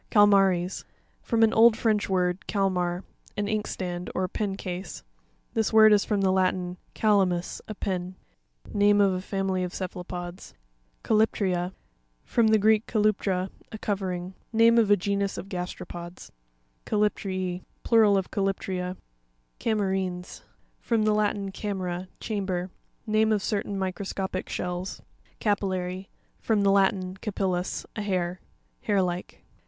Catma''ries.—From an old French word, calmar, an inkstand, or a pen case; this word is from the Latin, calamus,a pen. Name of a family of cephalopods (pages 23 and 29), Plural of Buc Caryprr#'s.—From the Greek, ka . luptra, a covering. Name of a genus of gasteropods (page 59). Catyptr# £.—Plural of Calyptre'a. Cam'ERINES.— From the Latin, ca mera, chamber. Name of certain microscopic shells (page 32). Cari'LLary.—From the Latin, capil lus, a hair. Hair like.